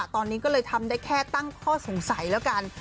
ตอนนี้ก็เลยทำได้แค่ตั้งข้อสงสัยแล้วกัน